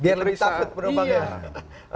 dia lebih tough berupa bapa